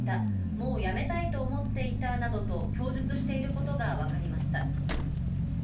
もうやめたいと思っていたなどと供述していることが分かりました。